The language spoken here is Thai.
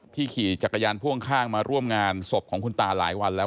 ขี่จักรยานพ่วงข้างมาร่วมงานศพของคุณตาหลายวันแล้ว